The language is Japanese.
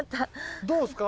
どうですか？